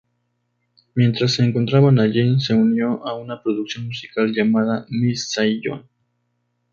Mientras se encontraba allí, se unió a una producción musical llamada "Miss Saigon".